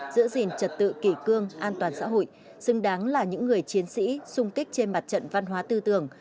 giữ gìn trật tự kỷ cương an toàn xã hội xứng đáng là những người chiến sĩ sung kích trên mặt trận văn hóa tư tưởng